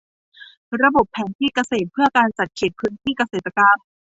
ระบบแผนที่เกษตรเพื่อการจัดเขตพื้นที่เกษตรกรรม